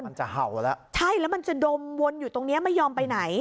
มันจะเห่าแล้วใช่แล้วมันจะดมวนอยู่ตรงเนี้ยไม่ยอมไปไหน